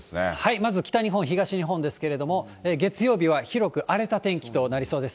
まず北日本、東日本ですけど、月曜日は広く荒れた天気となりそうです。